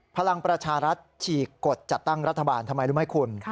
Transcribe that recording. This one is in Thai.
พลังประชารัฐฉีกกฎจัดตั้งรัฐบาลทำไมรู้ไหมคุณ